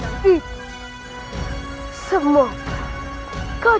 nanti saja paman